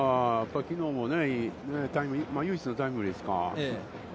きのうも、いい唯一のタイムリーですか。